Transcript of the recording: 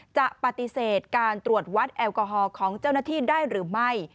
จะปฏิเสธการตรวจวัดแอลกอฮอลของเจ้าหน้าที่ได้หรือไม่